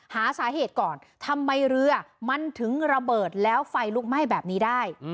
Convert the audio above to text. หาสาเหตุก่อนทำไมเรือมันถึงระเบิดแล้วไฟลุกไหม้แบบนี้ได้